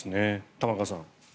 玉川さん。